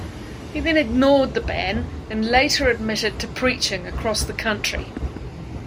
He then ignored the ban, and later admitted to preaching across the country.